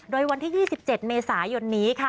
โดยวันที่๒๗เมษายนนี้ค่ะ